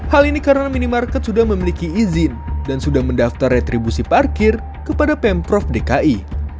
hal ini karena minimarket sudah memiliki izin dan sudah mendaftar retribusi parkir kepada pemprov dki